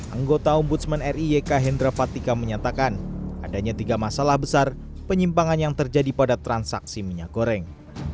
anggota ombudsman ri yk hendra fatika menyatakan adanya tiga masalah besar penyimpangan yang terjadi pada transaksi minyak goreng